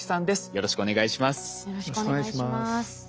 よろしくお願いします。